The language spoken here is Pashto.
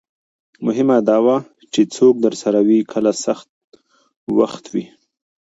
مهمه دا ده چې څوک درسره وي کله سخت وخت وي.